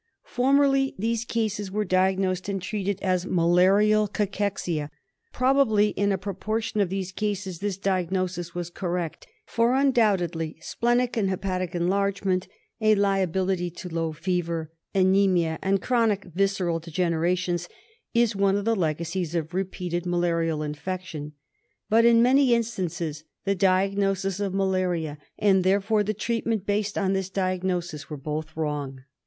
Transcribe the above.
Formerly these cases were diagnosed and treated as mala rial cachexia. Probably in a proportion of these cases this diagnosis was correct, for undoubtedly splenic and hepatic enlargement, a liability to low fever, anaemia, and chronic visceral degenerations is one of the legacies of repeated malarial infection ; but in many instances the diagnosis of malaria, and therefore the treatment based on this diagnosis, were both wrong.